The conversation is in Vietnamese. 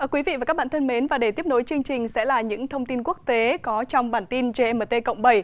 quý vị và các bạn thân mến và để tiếp nối chương trình sẽ là những thông tin quốc tế có trong bản tin gmt cộng bảy